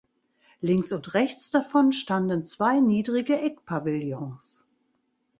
Links und rechts davon standen zwei niedrige Eckpavillons.